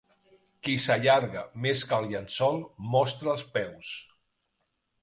Qui s'allarga més que el llençol, mostra els peus.